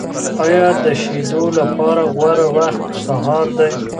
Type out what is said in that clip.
آیا د شیدو لپاره غوره وخت سهار دی؟